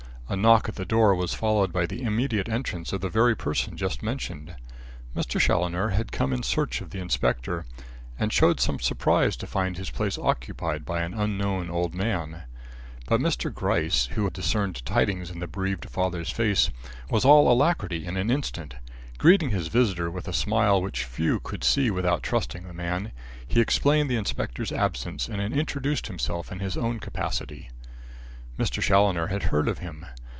A knock at the door was followed by the immediate entrance of the very person just mentioned. Mr. Challoner had come in search of the inspector, and showed some surprise to find his place occupied by an unknown old man. But Mr. Gryce, who discerned tidings in the bereaved father's face, was all alacrity in an instant. Greeting his visitor with a smile which few could see without trusting the man, he explained the inspector's absence and introduced himself in his own capacity. Mr. Challoner had heard of him.